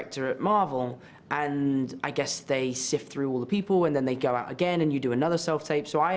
dan saya rasa mereka menghantar semua orang dan kemudian mereka keluar lagi dan anda melakukan self tape lainnya